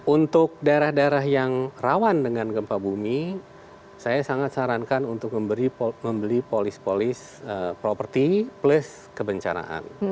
untuk daerah daerah yang rawan dengan gempa bumi saya sangat sarankan untuk membeli polis polis properti plus kebencanaan